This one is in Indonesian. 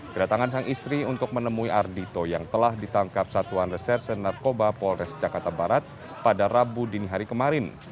kedatangan sang istri untuk menemui ardhito yang telah ditangkap satuan reserse narkoba polres jakarta barat pada rabu dini hari kemarin